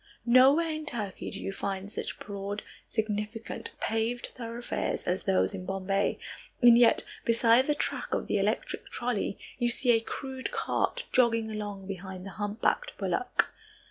Nowhere in Turkey do you find such broad, magnificent, paved thoroughfares as those in Bombay, and yet, beside the track of the electric trolley, you see a crude cart jogging along behind the humpbacked bullock.